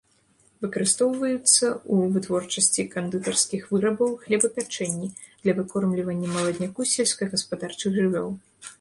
Выкарыстоўваюцца ў вытворчасці кандытарскіх вырабаў, хлебапячэнні, для выкормлівання маладняку сельскагаспадарчых жывёл.